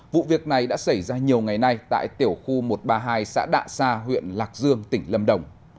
vụ việc này đã xảy ra nhiều ngày nay tại tiểu khu một trăm ba mươi hai xã đạ sa huyện lạc dương tỉnh lâm đồng